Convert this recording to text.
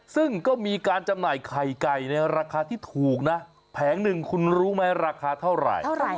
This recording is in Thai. ซึ่งก็มีการจำหน่ายไข่ไก่ในราคาที่ถูกนะแผงหนึ่งคุณรู้ไหมราคาเท่าไหร่